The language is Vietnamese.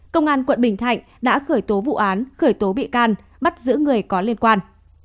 công an quận bình thạnh đã khởi tố vụ án khởi tố bị can bắt giữ người có liên quan